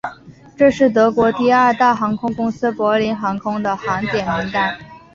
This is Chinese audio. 这是德国第二大航空公司柏林航空的航点名单。